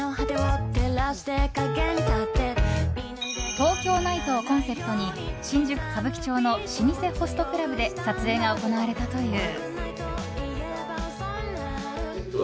ＴＯＫＹＯＮＩＧＨＴをコンセプトに新宿・歌舞伎町の老舗ホストクラブで撮影が行われたという。